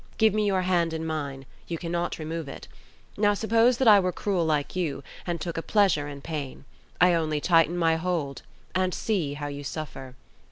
Give me your hand in mine. You cannot remove it. Now suppose that I were cruel like you, and took a pleasure in pain. I only tighten my hold, and see how you suffer."